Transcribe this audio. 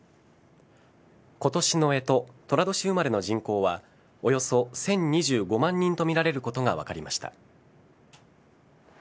今年の干支、寅年生まれの人口はおよそ１０２５万人とみられることが分かりました。